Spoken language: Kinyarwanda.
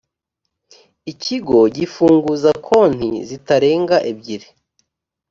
ikigo gifunguza konti zitarenga ebyiri